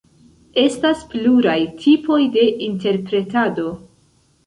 Estas pluraj tipoj de interpretado.